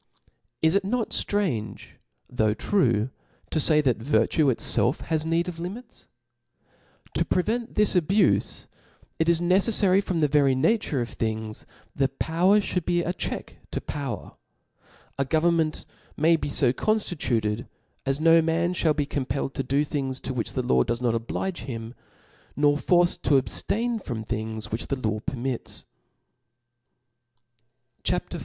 Is it not ftrange, though true, to fay, that virtue itfelf has need of limits ? To prevent this abufe, it is necefTary from the very nature of thingj, power (hould be a check to power. A government may be fo conftituted, as no man fhall be compelled to do things to which the law does not oblige him, nor forced td ab ftain from things which the law permits." .. CHAP. V.